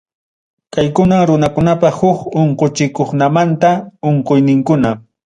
Kaykunam runakunapa huk unquchiqkunamanta unquyninkunam.